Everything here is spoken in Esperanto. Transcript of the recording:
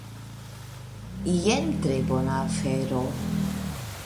Jen tre bona afero.